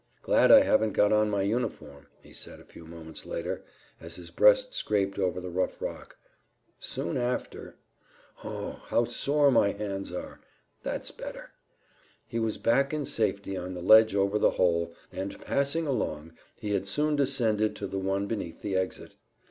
"Glad I haven't got on my uniform," he said a few moments later, as his breast scraped over the rough rock. Soon after, "Oh, how sore my hands are! That's better." He was back in safety on the ledge over the hole, and, passing along, he had soon descended to the one beneath the exit.